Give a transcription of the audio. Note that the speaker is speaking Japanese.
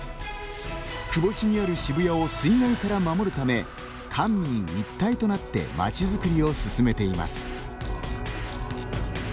くぼ地にある渋谷を水害から守るため官民一体となって街づくりを進めています。